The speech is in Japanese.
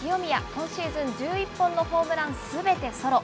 今シーズン１１本のホームランすべてソロ。